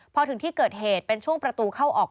พอถึงที่เกิดเหตุเป็นช่วงประตูเข้าออก